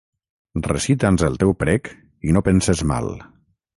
Recita'ns el teu prec i no penses mal.